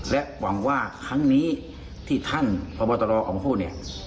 และหวังว่าครั้งนี้ที่ท่านพบตรออกมาพูดเนี่ย